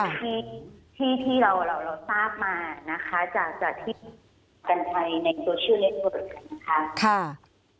อันนี้ที่ที่เราทราบมานะคะจากที่กันไทยในโซเชียลเล็กเวิร์ดนะครับ